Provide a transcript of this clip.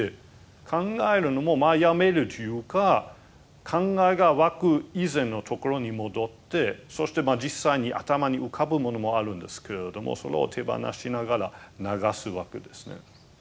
考えるのもまあやめるというか考えがわく以前のところに戻ってそして実際に頭に浮かぶものもあるんですけれどもそれを手放しながら流すわけですね。